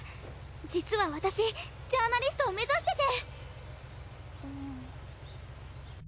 実は私ジャーナリストを目指してて。